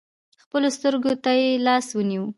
خپلو سترکو تې لاس ونیوئ .